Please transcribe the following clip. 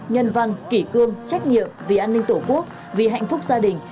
nhân văn kỷ cương trách nhiệm vì an ninh tổ quốc vì hạnh phúc gia đình